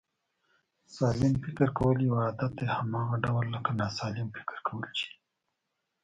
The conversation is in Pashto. سالم فکر کول یو عادت دی، هماغه ډول لکه ناسلم فکر کول چې دی